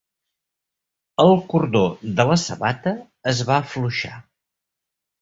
El cordó de la sabata es va afluixar.